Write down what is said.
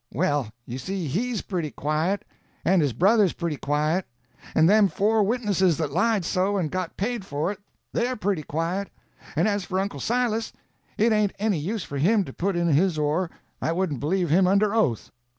Well, you see he's pretty quiet. And his brother's pretty quiet, and them four witnesses that lied so and got paid for it, they're pretty quiet. And as for Uncle Silas, it ain't any use for him to put in his oar, I wouldn't believe him under oath!"